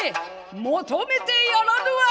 求めてやらぬわ！